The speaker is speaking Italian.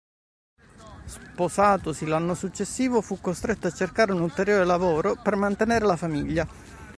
Sposatosi l'anno successivo fu costretto a cercare un ulteriore lavoro per mantenere la famiglia.